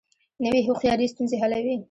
نوې هوښیاري ستونزې حلوي